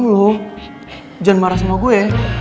jangan marah sama gue